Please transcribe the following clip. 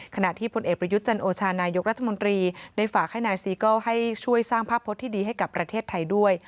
ขณะที่พลเอกประยุทธ์จันโอชานายกรัฐมนตรีได้ฝากให้นายซีเกิลให้ช่วยสร้างภาพพจน์ที่ดีให้กับประเทศไทยด้วย